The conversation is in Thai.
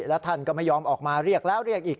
แล้วท่านก็ไม่ยอมออกมาเรียกแล้วเรียกอีก